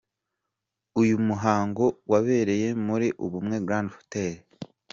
Uyu muhango wabereye muri 'Ubumwe grande hotel'.